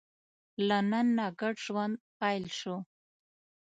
له نن نه ګډ ژوند پیل شو.